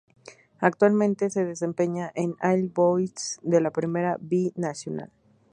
Actualmente se desempeña en All Boys de la Primera B Nacional.